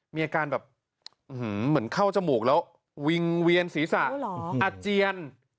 มีอาการแบบเหมือนเข้าจมูกแล้ววิงเวียนศีรษะอาเจียน